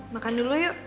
makan dulu yuk